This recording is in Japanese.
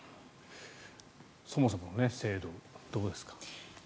そもそもの制度どうですか。